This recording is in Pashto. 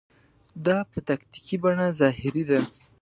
دا په تکتیکي بڼه ظاهري ده.